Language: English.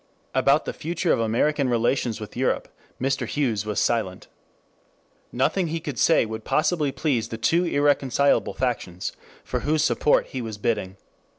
About the future of American relations with Europe Mr. Hughes was silent. Nothing he could say would possibly please the two irreconcilable factions for whose support he was bidding.